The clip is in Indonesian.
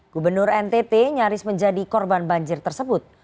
gubernur ntt nyaris menjadi korban banjir tersebut